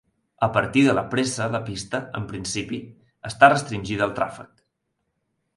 A partir de la pressa la pista, en principi, està restringida al tràfec.